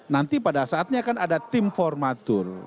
nanti pada saatnya kan ada tim formatur